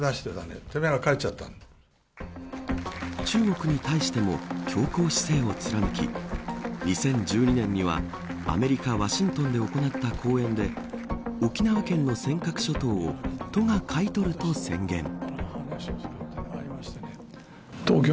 中国に対しても強硬姿勢を貫き２０１２年にはアメリカ、ワシントンで行った講演で沖縄県の尖閣諸島を都が買い取ると宣言。